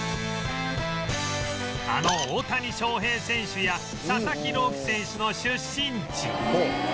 あの大谷翔平選手や佐々木朗希選手の出身地